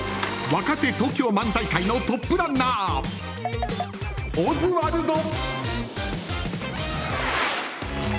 若手東京漫才界のトップランナーオズワルド。